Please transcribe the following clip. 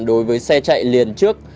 đối với xe chạy liền trước